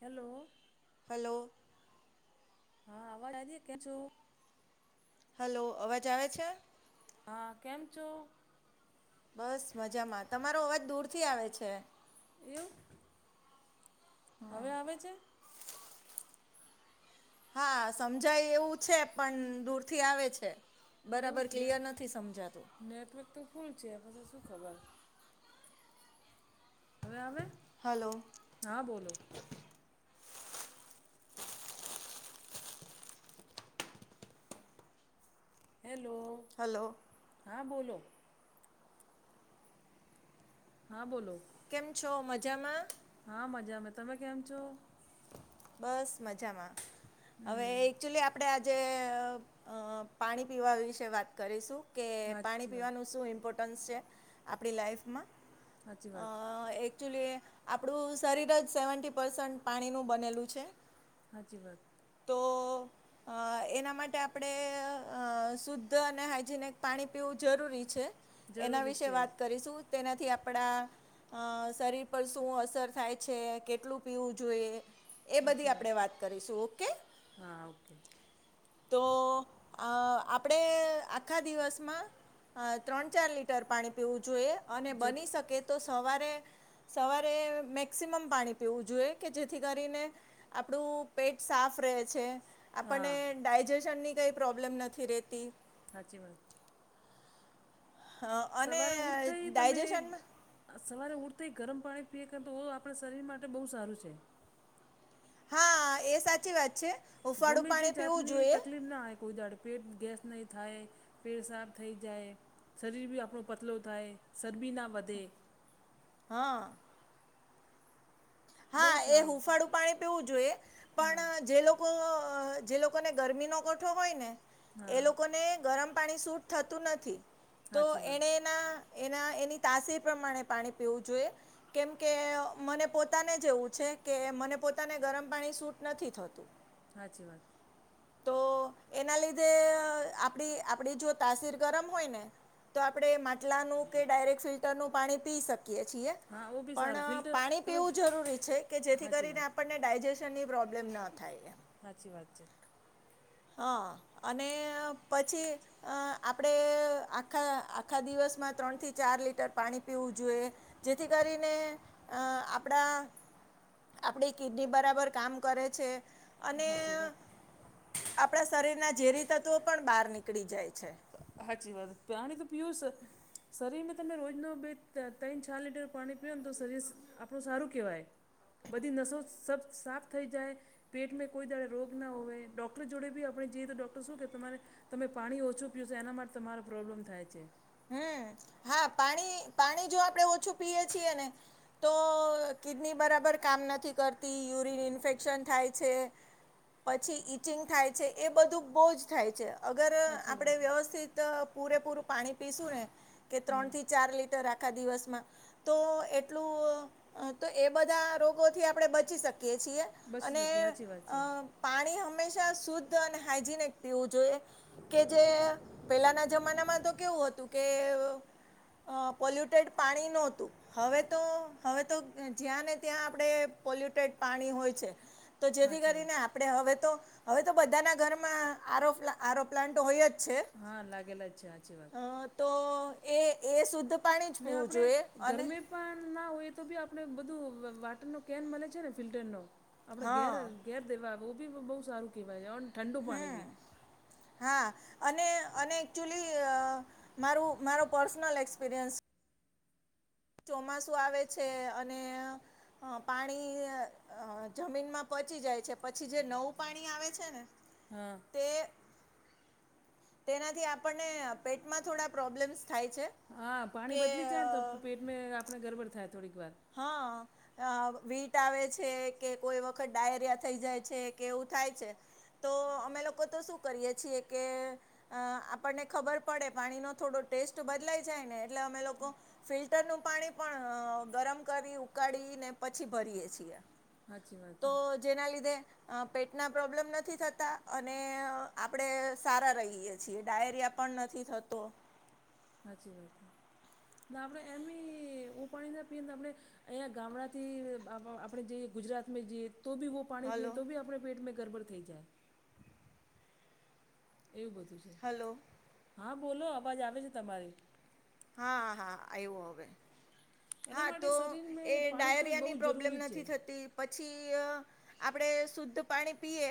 Hello! Hello! હા અવાજ આવી કેયા છો? હલો અવાજ આવે છે? હા કેમ છો? બસ મજામાં તમારો અવાજ દૂરથી આવે છે? એવું? હવે આવે છે? હા સમજાય એવું છે, પણ દૂરથી આવે છે. એવું બરાબર ને ક્લિયર નથી સમજાતું. નેટવર્ક તો ફૂલ છે આ પાસે શું ખબર? હવે આવે છે? હલો, ! હા બોલો? હેલો! હલો! હા બોલો? હા બોલો? કેમ છો મજામાં? હા મજામે તમે કેમ છો? બસ મજામાં હવે હમ એકચુલી આપડે આજે પાણી પીવા વિશે વાત કરીશું કે પાણી સાચી વાત પીવાનું શું ઇમ્પોર્ટ ન્સ છે આપણી લાઈફમાં સાચી વાત જોલીએ આપણું શરીર જ સેવન્ટી પર્સન્ટ પાણીનું બનેલું છે હા જી વાત તો આ એના માટે આપણે શુદ્ધ અને હાઈજેનિક પાણી પીવું જરૂરી છે એના જરૂરી વિશે છે વાત કરીશું તેનાથી આપડા શરીર પર શું અસર થાય છે કેટલું પીવું જોઈએ એ બધી આપણે વાત કરીશું ઓકે હા ઓકે તો આપણે આખા દિવસમાં અ ત્રણ ચાર લીટર પાણી પીવું જોઈએ અને જરૂર બની શકે તો સવારે સવારે મેક્સિમમ પાણી પીવું જોઈએ કે જેથી કરીને આપણું પેટ સાફ રહે છે હા આપણને ડાયજેશનની કંઈ પ્રોબ્લેમ નથી રહેતી સાચ વાત અ અને સવારે ઉઠતા તમે ડાયજેશનમાં આ સવારે ઉઊઠતા ગરમ પાણી પીએ કાર તો આપણા શરીર માટે બહુ સારું છે હા એ સાચી વાત છે હૂંફાળું ગમે તે પાણી પીવું જાતની જોઈએ તકલીફ ના આવે કોઈ જાાડે પેટ ગેસ નહીં થાય પેટ સાફ થઈ જાય શરીર બી આપણો પતલો થાય શરબી ના વધે હા, હા, બહુ એ સારું હુફાળું પાણી પીવું જોઈએ હા પણ જે લોકો કો જે લોકોને ગરમીનો કોઠો હોય ને એ હા લોકોને ગરમ પાણી સૂટ થતું નથી તો સાચી વાત એણે ના એના એની તાસીર પ્રમાણે પાણી પીવું જોઈએ કેમ કે મને પોતે તાને જ એવું છે કે મને પોતાને ગરમ પાણી સૂટ નથી થતું. હાચી વાત તો એના લીધે અ આપડી આપડી જો તાસીર ગરમ હોય ને તો આપણે માટલાનું કે ડાયરેક્ટ ફિલ્ટરનું પાણી પીય શક કીએ છીએ હા ઓ બી સારું પણ ફિલ્ટર પાણી તમે પીવું જરૂરી છે કે જેથી હાચી કરીને વાત આપણને ડાયજેસ સનની પ્રોબ્લેમ ન થાય એમ હાચી વાત છે. હ, અને પછી અ આપડે આખા આખા દિવસમાં ત્રણથી ચાર લીટર પાણી પીવું જોઈએ. જેથી કરીને અ આપડા આપડી કિડની બરાબર કામ કરે છે અને સાચી વાત આપણા શરીરના ઝેરી તત્ત્વો પણ બાર નીકળી જાય છે. હાચી વાત પાણી તો પીયુંસ શરીરમાં તમે રોજનુ બે ત્રન ત્રણ ચાર લીટર પાણી પીઓ ને તો શરીર આપણું સારું કહેવાય, બધી નસો સફ સાફ થઈ જાય. પેટમાં કોઈ દાડે રોગ ના હોવે ડોક્ટર જોડે બી આપણે જે રીતે ડોક્ટર શું કે તમારે તમે પાણી ઓછું પીવ શો એના માટે તમારો પ્રોબ્લેમ થાય છે. હમ, હા, પાણી પાણી જો આપણે ઓછું પીએ છીએ ને તો કિડની બરાબર કામ નથી કરતી, યુરિન ઇન્ફેક્શન થાય છે. પછી ઈચિંગ થાય છે, એ બધું બો જ થાય છે. અગર સાચી આપણે વાત વ્યવસ્થિત પૂરેપૂરું પાણી પીશું ને કે હમ ત્રણથી ચાર લીટર રાખ આખા દિવસમાં તો એટલું, તો એ બધા રોગોથી આપણે બચી શકીએ છીએ. બચી અને શકી સાચી વાત અ છે પાણી હંમેશા શુદ્ધ અને હાઈજીનિક પીવું જોઈએ. કે જે પેલાના જમાનામાં તો કેવું હતું કે અ પોલ્યુટેડ પાણી નોહતું હવે તો, હવે તો, જ્યાં ને ત્યાં આપણે પોલ્યુટેડ પાણી હોય છે. તો જેથી સાચી કરીને આપ વાત પડે હવે તો હવે તો બધાના ઘરમાં આરોફ આરો પ્લાન્ટ હોય જ છે. હા, લાગેલા જ છે હાચી વાત હ, તો એ એ શુદ્ધ પાણી જ ને પીવું આપણે જોઈએ અને ગરમે પણ ના હોય એ તો બી આપણે બધું વ વોટરનો કેન મળે છે ને ફિલ્ટરનો આપણેે ઘેર હા ઘેર દેવાવો બી બહુ સારું કહેવાય છે અન હમ, હા, અને અને એકચુલી અ મારું મારો પર્સનલ એક્સપિરિયન્સ ચોમાસું આવે છે અને અ પાણી અ જમીનમાં પચી જાય છે, પછી જે નવું પાણી આવે છે ને હ, તે તેનાથી આપણને પેટમાં થોડા પ્રોબ્લેમ્સ થાય છે. હા, પાણી કે બદલી જાય ને તો પ પેટમે આપને ગરબડ થાય થોડીક વાર હા, અ વીટ આવે છે કે કોઈ વખત ડાયેરિયા થઈ જાય છે કે એવું થાય છે. તો અમે લોકો તો શું કરીએ છીએ કે અ આપણને ખબર પડે પાણીનો થોડો ટેસ્ટ બદલાય જાય ને એટલે અમે લોકો ફિલ્ટરનું પાણી પણ અ ગરમ કરી ઉકાળ ને પછી ભરીએે છીએ સાચી વાત તો હે જેના લીધે અ પેટના પ્રોબ્લેમ નથી થતા અને આપણેે સારા રહીએ છીએ ડાયરિયા પણ નથી થતો સાચી વાત આપણે એમ એું પાણી ના પીએ ને આપણે અહીંયા ગામડાથી આપણે જઈએ ગુજરાતમાં જઈએ તો બી પાણી હલો પીયએ તો બી આપણે પેટમાં ગરબડ થઈ જાય એવું બધું છે હલો હા બોલો અવાજ આવે છે તમારી હા હા આવું હવે એના હા માટે તો શરીરને એ પાણી તો બહુ ડાયરિયાની પ્રોબ્લેમ જરૂરી છે. નથી થતી પછી આપણે શુદ્ધ પાણી પીએ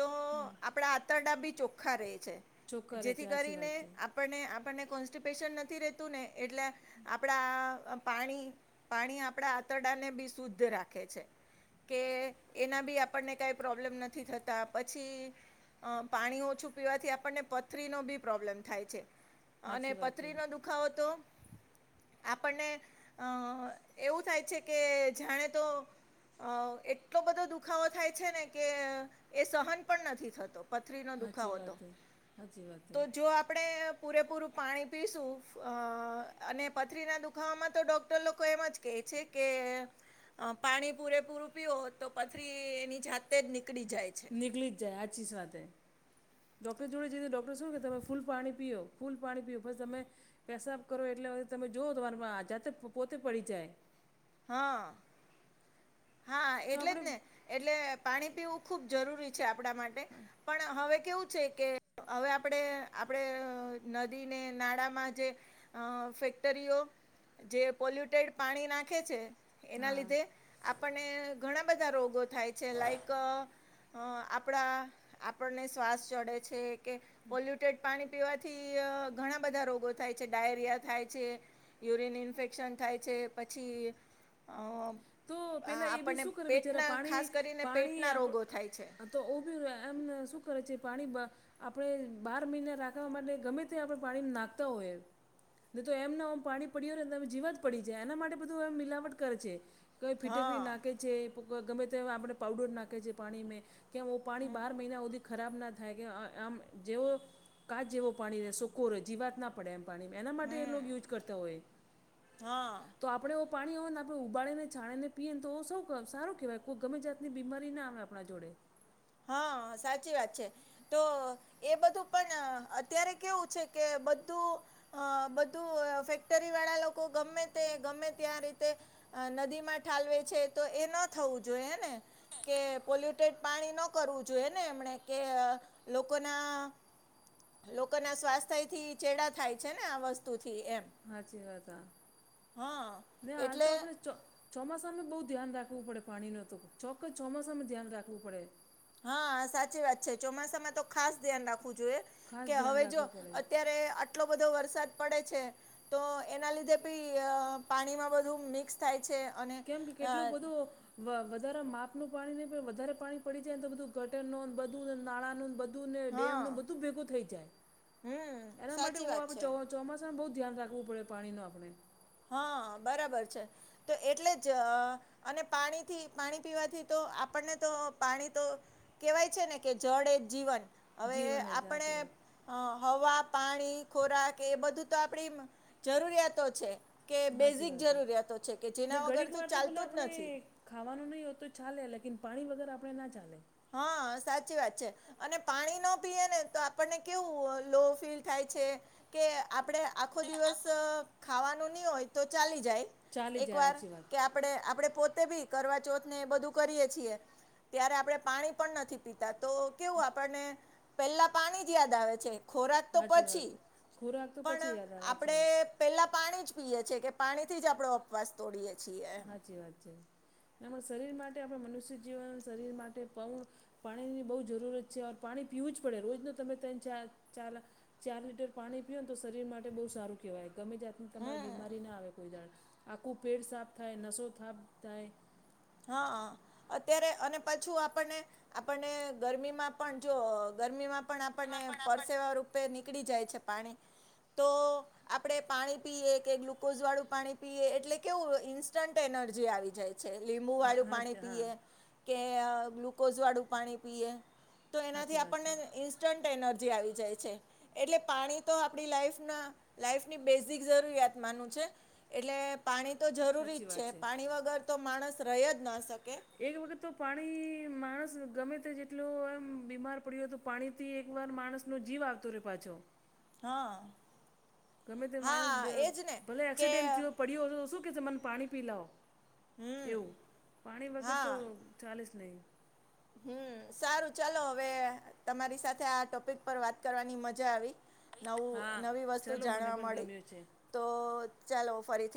તો હમ આપણા આંતરડા બી ચોખ્ખા રહે છે ચોખ્ખા રહે છે જેથી હાચી કરીને વાત હે આપણને આપણને કોન્સ્ટિપેશન નથી રહેતું ને એટલે આપણા પાણી પાણી આપણા આંતરડા ને બી શુદ્ધ રાખે છે કે એના બી આપણને કઈ પ્રોબ્લેમ નથી થતા પછી અ પાણી ઓછું પીવાથી આપણને પથરીનો બી પ્રોબ્લેમ થાય છે અને હાચી વાત હે પથરી નો દુખાવો તો આપણને અ એવું થાય છે કે જાણે તો અ એટલો બધો દુખાવો થાય છે ને કે એ સહન પણ નથી થતો પથરીનોો હાચી દુખાવો હતો વાત હે હાચી વાત હે તો જો આપણે પૂરેપૂરું પાણી પીશું અ અને પથરીના દુખાવામાં તો ડોક્ટર લોકો એમ જ કે છે કે અ પાણી પૂરે પૂરું પીવઓ તો પથરી એની જાતે જ નીકળી જાય છે નીકળી જાય આચીશ વાત હ ડૉક્ટર જોડે જઈને ડૉક્ટર શું કે તમે ફૂલ પાણી પીઓ ફૂલ પાણી પીઓ બસ તમે પેસાબ કરો એટલે તમે જોઓ તમારે જાતે પોતે પડી જાય હા હા તો એટલે જ આપણે ને એટલે પાણી પીવું ખુબ જરૂરી છે આપણા માટે પણ હવે કેવું છે કે હવે આપણેે આપડે નદીને નાળામાં જે અ ફેક્ટરીઓ જે પોલ્યુટેડ પાણી ના એના હા લીધે આપણને ઘણા બધા રોગો થાય છે લાઈક અ આપણા આપણને શ્વાસ ચડે છે કે પોલ્યુટ ટેટ પાણી પીવાથી ઘણા બધા રોગો થાય છે ડાયરિયા થાય છે યુરિન ઇન્ફેક્શન થાય છે પછી અ તો આ પેલા એ બી આપણને શું કરે બિચારા પેટના પાણી ખાસ કરીને પાણી પેટના આપ રોગો થાય છે તો ઓ બી એમને શું કરે છે પાણી આપણે બાર મહિના રાખવા માટે ગમે તે આપણે પાણી નાખતા હોઈએ નહી તો એમનેમ પાણી પડ હો નેમે જીવા જ પડી છે એના માટે બધું એમ મિલાવટ કરે છે કઈ ફીટકડી હા નાખે છે ગમે તે આપણે પઉડર નાખે છે પાણીમાં કે્યાઑ પ પાણી બાર મહિના ઓદી ખરાબ ના થાય કે આમ જેવો કાચ જેવો પાણી શોકો જીવાત ના પડે એમ પાણી એના માટે એ હમ યુજ કરતા હોય હા તો આપણે ઓ પાણી હોય ને આપણે ઉબાડીને છાણે ને પીએ તો સૌ સારું કેહેવાય કોઈ ગમે જાતની બીમારી ના આવે આપણા જોડે હા સાચી વાત છે તો એ બધું પણ અત્યારે કેવું છે કે બધું અ બધું ફેક્ટરી વાળા લોકો ગમે તે ગમે ત્યા રીતે નદીમાં ઠાલવે છે તો એ ન થવું જોઈએને કે પોલ્યુટેડ પાણી ન કરવું જોઈએ ને એમણે કે લોકો ના લોકોના સ્વાસ્થ્યથી ચેડા થાય છે ને આ વસ્તુથી એમ. હાચી વાત હ હા ને હાલ તો એટલે આપણે ચ ચોમાસામાં બહુ ધ્યાન રાખવું પડે પાણીનો તો ચોક્કસ ચોમાસામાં ધ્યાન રાખવું પડે. હા સાચી વાત છે ચોમાસામાં તો ખાસ ધ્યાન રાખવું જોઈએ. ખાસ કે ધ્યાન હવે જો રાખવું પડે અત્યારે આટલો બધો વરસાદ પડે છે તો એના લીધે બી પાણીમાં બધું મિક્સ થાય છે અને કેમ કે અ કેટલું બધું વધારે માપનું પાણી નહી પણ વધારે પાણી પડી જાય ને તો બધું ગટર નોંધ બધું નાણાં નોંધ બ ધૂ હા ડેમ બધું ભેગું થઈ જાય હમ એના સાચી વાત છે માટે આ ચોમાસાનું બહુ ધ્યાન રાખવું પડે પાણીનો આપણે. હા બરાબર છે તો એટલે જ અને પાણીથી પાણી પીવાથી તો આપણને તો પાણી તો કેવાય છે ને કે જળ એ જીવન હવે જીવન જ આપણે હાચી વાત હ હવા પાણી ખોરાક એ બધું તો આપડી જરૂરિયાતો છે. કે હાચી બેઝિક વાત. જરૂરિયાતો છે કે ને જેના વગર ઘડીક તો વાર ભલે ચાલતો જ આપણે નથી. ખાવાનું નહીં હોય તો ચાલે લેકીન પાણી વગર આપણે ના ચાલે. હા સાચી વાત છે. અને પાણી ન પીએ ને તો આપણને કેવું લો ફીલ થાય છે. કે આપડે આખો દિવસ ખાવાનું નહી હોય તો ચાલી જાય. ચાલી એક જાય વાર હાચી વાત કેપ આપ આપણે પોતે ભી કરવા ચોથ ને એ બધું કરીએ છીએ ત્યારે આપણેે પાણી પણ નથી પીતા તો કેવું આપણને પેલા પાણી જ યાદ આવે છે ખોરાક તો હાચી વાત પછી ખોરાક તો પછી પણ યાદ આવે હાચી આપણે વાત પેલા પાણી જ પીએ છીએ કે પાણીથી જ આપણે ઉપવાસ તોડી એ છીએ. એમ સાચી વાત છે આપમણા શરીર માટે આપણે મનુષ્ય જીવન શરીર માટે પવણ પાણીની બહુ જરૂરત છે પાણી પીવું જ પડે રોજ ન તમે ત ચા ચા ચાર લીટર પાણી પિયોને તો શરીર માટે બહુ સારું કેહેવાય. ગમે જાતની તમારી બીમારી ના આવે કોઈ દાણ આખું પેટ સાફ થાય નસો થફ થાય. હા હ. અત્યારે અને પછું આપણને આપણને ગરમીમાં પણ જો ગરમીમાં પણ આપણને એમાં પણ આપણને પરસેવા રૂપે નીકળી જાય છે પાણી તો આપડણે પાણી પીએ કે ગ્લુકોઝ વાળું પાણી પીએ એટલે કેવું ઇન્સ્ટન્ટ એનર્જી આવી જાય છે. લીંબુવાળું હા પાણી હા હા પીએ કે ગ્લુકોઝ વાળું પાણી પીએ તો એનાથી સાચી વાત આપણને છે ઇન્સ્ટન્ટ એનર્જી આવી જાય છે. એટલે પાણી તો આપડી લાઈફ ના લાઈફની બેઝિક જરૂરિયાત માનું છે. એટલે પાણી તો જરૂરી જ સાચી છે વાત પાણી વગર તો માણસ ર જ ના શકે. એક વખત તો પાણી માણસ ગમે તે જેટલો એમ બીમાર પડ્યો હતું પાણી થી એક વાર માણસ નો જીવ આવતો રહેે પાછો. હા. ગમે તે માણસ હા બે એજ ને ભલે કે એક્સિડેન્ટ થયો પડ્યો હતો તો શું કે મને પાણી પી લઓ. હમ એવું પાણી વગર હા તો ચાલીસ નહી. હમ સારું ચાલો હવે તમારી સાથે આ ટોપિક પર વાત કરવાની મજા આવી. નવું હા નવી વસ્તુ ચલો મને જાણવા પણ મળી ગમ્યું છે. તો ચાલો ફરીથી